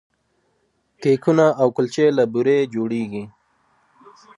کیکونه او کلچې له بوري جوړیږي.